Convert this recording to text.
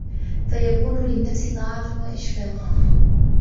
فَيَكُونُ لِلنَّفْسِ طَاعَةٌ وَإِشْفَاقٌ